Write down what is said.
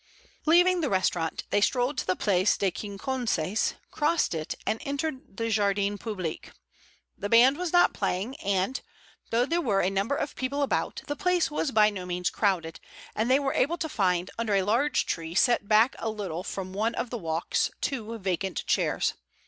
Leaving the restaurant, they strolled to the Place des Quinconces, crossed it, and entered the Jardin Public. The band was not playing and, though there were a number of people about, the place was by no means crowded, and they were able to find under a large tree set back a little from one of the walks, two vacant chairs.